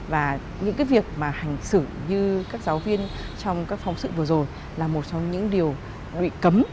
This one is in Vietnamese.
và những cái việc mà hành xử như các giáo viên trong các phóng sự vừa rồi là một trong những điều bị cấm